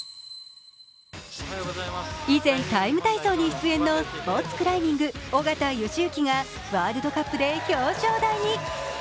依然、「ＴＩＭＥ，体操」に出演のスポーツクライミング、緒方良行がワールドカップで表彰台に。